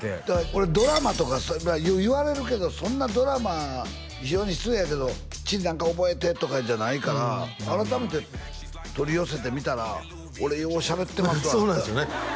俺ドラマとかよう言われるけどそんなドラマ非常に失礼やけどきっちり何か覚えてとかいうんじゃないから改めて取り寄せて見たら俺ようしゃべってますわそうなんですよね